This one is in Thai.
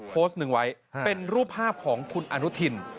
โพสต์หนึ่งไว้เป็นรูปภาพของคุณอนุทิน